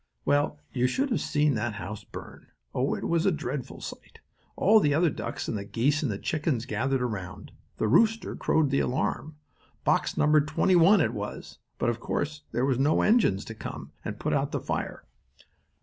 Well, you should have seen that house burn! Oh, it was a dreadful sight. All the other ducks and the geese and the chickens gathered around. The rooster crowed the alarm. Box number twenty one it was, but of course there were no engines to come and put out the fire.